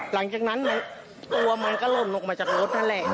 หลังจากนั้นตัวมันก็หล่นลงมาจากรถนั่นแหละ